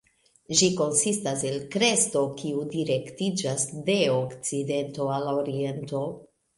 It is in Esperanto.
Ĝi konsistas el kresto kiu direktiĝas de okcidento al oriento.